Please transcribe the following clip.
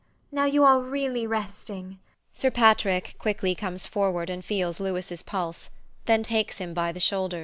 Now you are really resting. Sir Patrick quickly comes forward and feels Louis's pulse; then takes him by the shoulders.